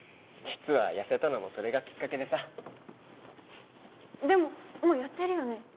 実は痩せたのもそれがきっかけでさでももうやってるよね？